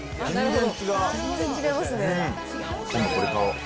全然違いますね。